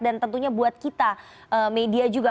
dan tentunya buat kita media juga